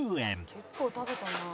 「結構食べたなあ」